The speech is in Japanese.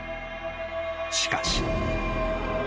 ［しかし］